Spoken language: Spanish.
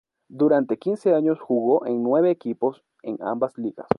Durante quince años jugó en nueve equipos en ambas ligas.